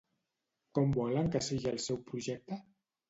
Com volen que sigui el seu projecte?